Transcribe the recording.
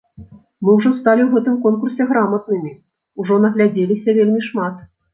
Мы ўжо сталі ў гэтым конкурсе граматнымі, ужо наглядзеліся вельмі шмат.